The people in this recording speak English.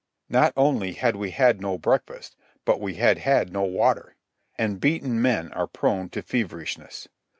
Not only had we had no breakfast, but we had had no water. And beaten men are prone to feverishness.